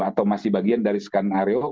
atau masih bagian dari skenario